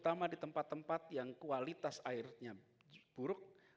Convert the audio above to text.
karena di tempat tempat yang kualitas airnya buruk